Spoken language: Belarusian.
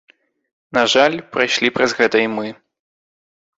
На жаль, прайшлі праз гэта і мы.